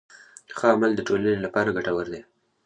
ښه عمل د ټولنې لپاره ګټور دی.